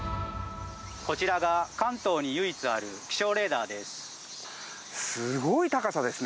こちらが関東に唯一ある気象レーダーです。